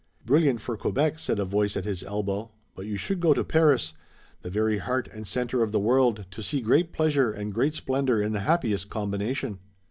"Brilliant for Quebec," said a voice at his elbow, "but you should go to Paris, the very heart and center of the world, to see great pleasure and great splendor in the happiest combination."